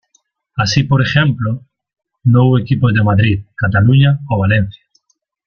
Así por ejemplo no hubo equipos de Madrid, Cataluña o Valencia.